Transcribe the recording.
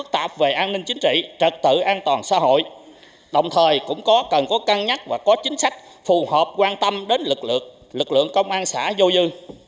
đồng thời cũng có cần có cân nhắc và có chính sách phù hợp quan tâm đến lực lượng lực lượng công an xã dô dư